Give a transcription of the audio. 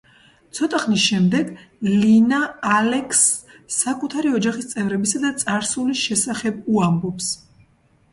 ცოტა ხნის შემდეგ, ლინა ალექსს საკუთარი ოჯახის წევრებისა და წარსულის შესახებ უამბობს.